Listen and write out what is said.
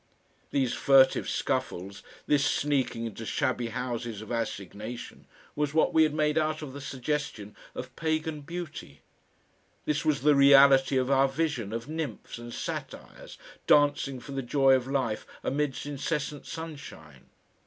These furtive scuffles, this sneaking into shabby houses of assignation, was what we had made out of the suggestion of pagan beauty; this was the reality of our vision of nymphs and satyrs dancing for the joy of life amidst incessant sunshine.